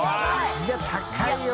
いや高いよ